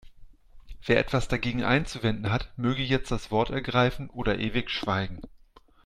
Wer etwas dagegen einzuwenden hat, möge jetzt das Wort ergreifen oder ewig schweigen.